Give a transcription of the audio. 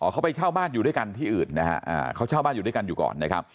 เขาไปเช่าบ้านอยู่ด้วยกันที่อื่นนะฮะเขาเช่าบ้านอยู่ด้วยกันอยู่ก่อนนะครับ